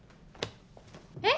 えっ？